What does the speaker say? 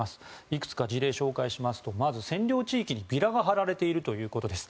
いくつか事例を紹介しますとまず、占領地域にビラが貼られているということです。